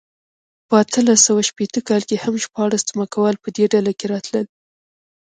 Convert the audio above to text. په اتلس سوه شپېته کال کې هم شپاړس ځمکوال په دې ډله کې راتلل.